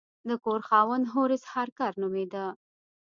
د کور خاوند هورس هارکر نومیده.